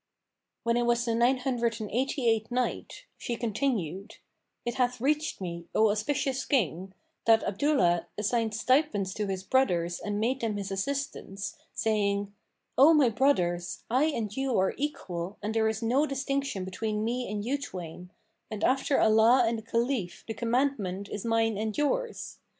When it was the Nine Hundred and Eighty eighth Night, She continued, It hath reached me, O auspicious King, that Abdullah assigned stipends to his brothers and made them his assistants, saying, "O my brothers, I and you are equal and there is no distinction between me and you twain, and after Allah and the Caliph, the commandment is mine and yours.